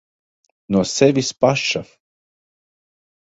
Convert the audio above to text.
No sevis paša.